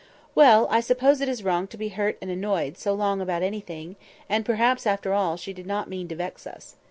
"Well! I suppose it is wrong to be hurt and annoyed so long about anything; and, perhaps, after all, she did not mean to vex us.